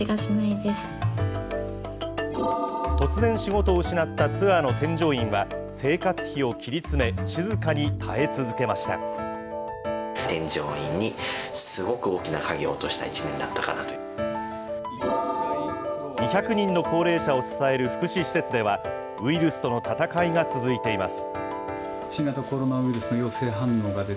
突然仕事を失ったツアーの添乗員は、生活費を切り詰め、静か２００人の高齢者を支える福祉施設では、ウイルスとの戦いが続いています。